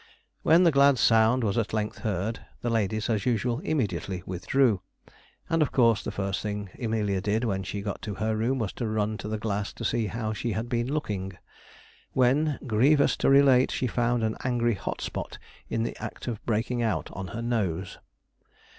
When that glad sound was at length heard, the ladies, as usual, immediately withdrew; and of course the first thing Amelia did when she got to her room was to run to the glass to see how she had been looking: when, grievous to relate, she found an angry hot spot in the act of breaking out on her nose.